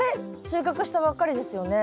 収穫したばっかりですよね。